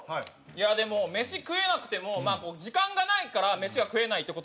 いやでも飯食えなくても時間がないから飯が食えないって事はあると思うんですよ。